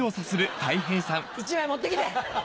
１枚持ってきて。